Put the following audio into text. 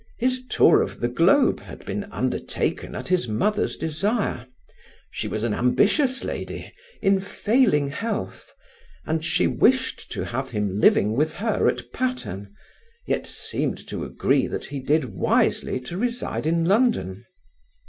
His tour of the globe had been undertaken at his mother's desire; she was an ambitious lady, in failing health; and she wished to have him living with her at Patterne, yet seemed to agree that he did wisely to reside in London.